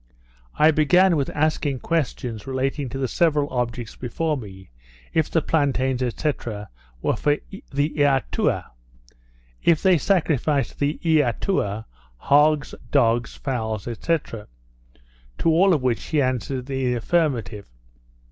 I began with asking questions relating to the several objects before me, if the plantains, &c. were for the Eatua? If they sacrificed to the Eatua, hogs, dogs, fowls, &c.? To all of which he answered in the affirmative.